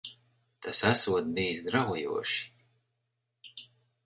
Tas esot bijis graujoši.